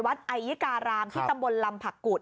ไอยิการามที่ตำบลลำผักกุฎ